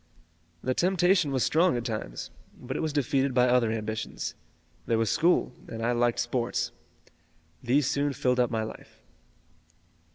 "The temptation was strong at times, but it was defeated by other ambitions. There was school and I liked sports. These soon filled up my life."